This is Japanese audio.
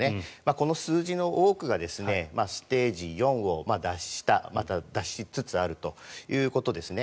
この数字の多くがステージ４を脱したまた、脱しつつあるということですね。